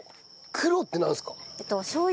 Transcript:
黒ってなんですか？